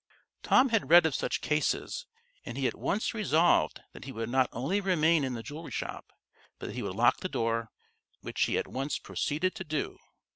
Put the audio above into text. Tom had read of such cases, and he at once resolved that he would not only remain in the jewelry shop, but that he would lock the door, which he at once proceeded to do.